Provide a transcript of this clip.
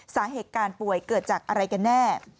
สาเหตุการป่วยเกิดจากอะไรกันแน่